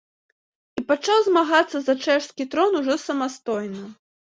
І пачаў змагацца за чэшскі трон ужо самастойна.